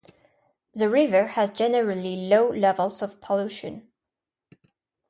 The river has generally low levels of pollution.